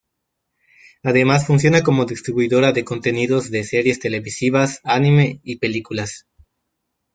Además funciona como distribuidora de contenidos de series televisivas, anime y películas.